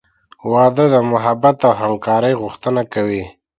• واده د محبت او همکارۍ غوښتنه کوي.